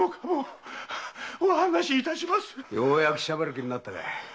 ようやくしゃべる気になったかい。